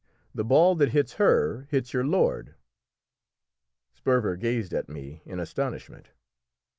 The ball that hits her hits your lord." Sperver gazed at me in astonishment.